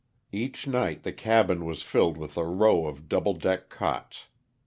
Eacn night the cabin was filled with a row of double deck cots.